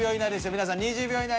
皆さん２０秒以内に。